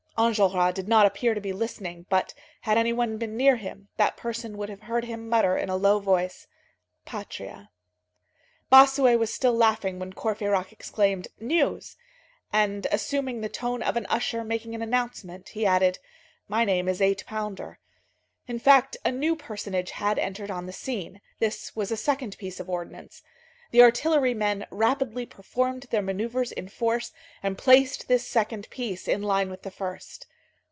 Enjolras did not appear to be listening, but had any one been near him, that person would have heard him mutter in a low voice: "Patria." Bossuet was still laughing when Courfeyrac exclaimed: "News!" And assuming the tone of an usher making an announcement, he added: "My name is Eight Pounder." In fact, a new personage had entered on the scene. This was a second piece of ordnance. The artillery men rapidly performed their manœuvres in force and placed this second piece in line with the first.